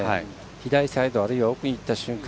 左サイドあるいは奥にいった瞬間